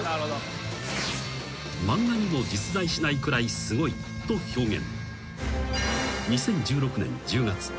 ［漫画にも実在しないくらいすごいと表現］